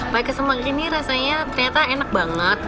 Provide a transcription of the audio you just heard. pai kesembek ini rasanya enak banget